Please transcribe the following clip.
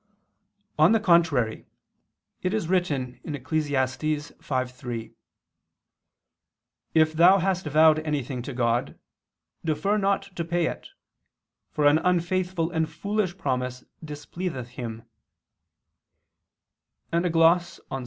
On the contrary, It is written (Eccles. 5:3): "If thou hast vowed anything to God, defer not to pay it, for an unfaithful and foolish promise displeaseth him"; and a gloss on Ps.